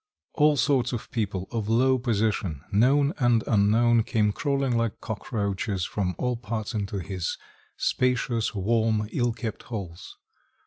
All sorts of people of low position, known and unknown, came crawling like cockroaches from all parts into his spacious, warm, ill kept halls.